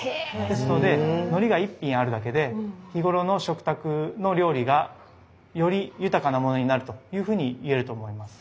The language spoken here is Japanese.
ですのでのりが１品あるだけで日頃の食卓の料理がより豊かなものになるというふうに言えると思います。